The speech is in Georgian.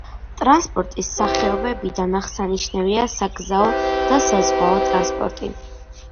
ტრანსპორტის სახეობებიდან აღსანიშნავია საგზაო და საზღვაო ტრანსპორტი.